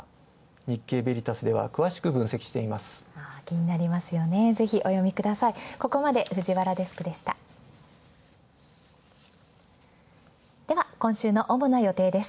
日経ヴェリタスでは詳しく分析しています。